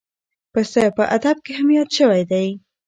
پسه په ادب کې هم یاد شوی دی.